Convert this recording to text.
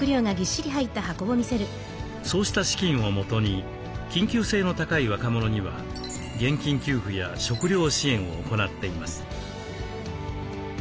そうした資金をもとに緊急性の高い若者には現金給付や食料支援を行っています。